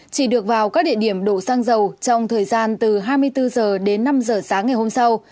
chỉ được vào các địa điểm đổ xăng dầu trong thời gian từ hai mươi bốn h đến năm h sáng ngày hôm sau